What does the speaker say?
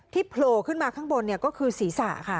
โผล่ขึ้นมาข้างบนก็คือศีรษะค่ะ